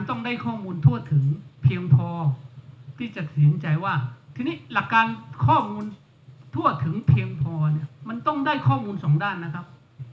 ต้องได้ข้อมูลทั่วถึงเพียงพอที่จะเสียใจว่าทีนี้หลักการข้อมูลทั่วถึงเพียงพอเนี่ยมันต้องได้ข้อมูลสองด้านนะครับ